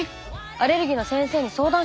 アレルギーの先生に相談してみる